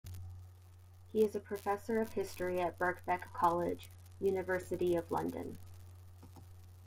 He is Professor of History at Birkbeck College, University of London.